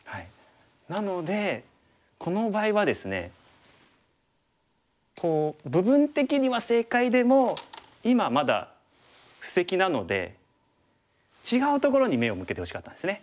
なのでこの場合はですね部分的には正解でも今まだ布石なので違うところに目を向けてほしかったんですね。